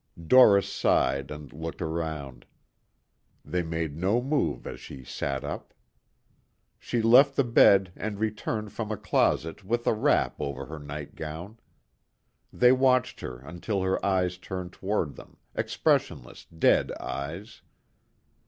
Doris sighed and looked around. They made no move as she sat up. She left the bed and returned from a closet with a wrap over her nightgown. They watched her until her eyes turned toward them expressionless, dead eyes.